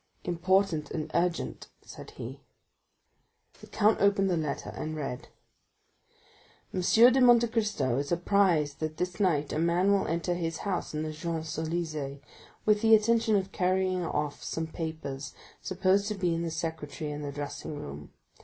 "Important and urgent," said he. The count opened the letter, and read: "'M. de Monte Cristo is apprised that this night a man will enter his house in the Champs Élysées with the intention of carrying off some papers supposed to be in the secretaire in the dressing room.